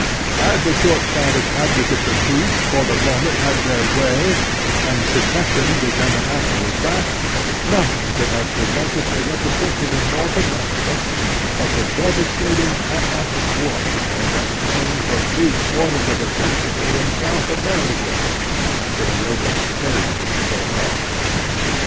Had the short sighted advo cates of peace for the moment had their way, and secession become an actual fact, nothing could have prevented a repetition in North America of the devastating anarchic warfare that obtained for three quarters of a century in South America after the yoke of Spain was thrown off.